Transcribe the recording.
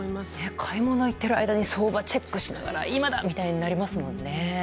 買い物行ってる間に相場チェックしながら今だみたいになりますもんね。